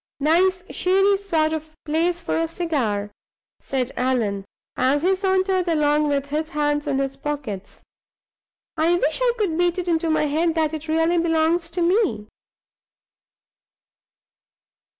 "Nice shady sort of place for a cigar," said Allan, as he sauntered along with his hands in his pockets "I wish I could beat it into my head that it really belongs to me."